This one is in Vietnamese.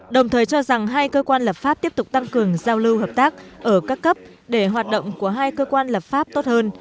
đồng thời cho rằng hai cơ quan lập pháp tiếp tục tăng cường giao lưu hợp tác ở các cấp để hoạt động của hai cơ quan lập pháp tốt hơn